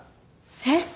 えっ！